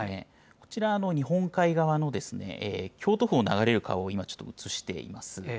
こちら、日本海側の京都府を流れる川を映しています。